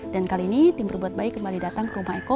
dan kali ini tim berbuat baik kembali datang ke rumah eko